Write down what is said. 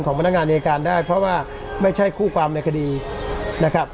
พนักงานอายการได้เพราะว่าไม่ใช่คู่ความในคดีนะครับ